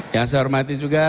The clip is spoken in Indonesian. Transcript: yang saya hormati juga